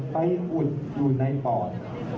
อุดอยู่ในปอด